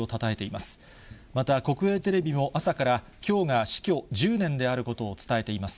また国営テレビも、朝からきょうが死去１０年であることを伝えています。